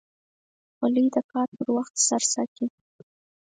خولۍ د کار پر وخت سر ساتي.